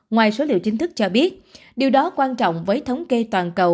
ngoài số liệu chính thức cho biết điều đó quan trọng với thống kê toàn cầu